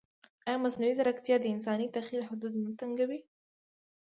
ایا مصنوعي ځیرکتیا د انساني تخیل حدود نه تنګوي؟